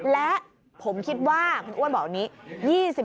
และผมคิดว่าคุณอ้วนบอกแบบนี้